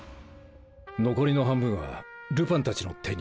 残りの半分はルパンたちの手に？